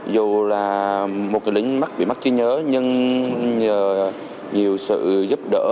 dù là một người lính mắt bị mất trí nhớ nhưng nhờ nhiều sự giúp đỡ